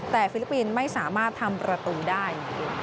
แต่ฟิลิปปินส์ไม่สามารถทำประตูได้